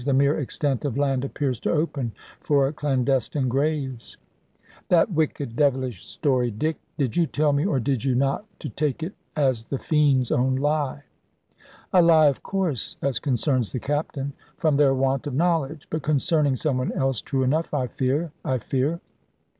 The mere extent of land appears to open for clandestine graves " "That wicked devilish story, Dick! Did you tell me, or did you not, to take it as the Fiend's own lie?" "A lie, of course, as concerns the Captain: from their want of knowledge. But concerning some one else, true enough, I fear, I fear."